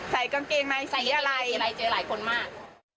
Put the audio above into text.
ใส่กางเกงในสีอะไรใส่กางเกงในสีอะไรเจอหลายคนมาก